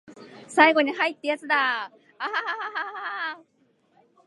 最高にハイ!ってやつだアアアアアアハハハハハハハハハハーッ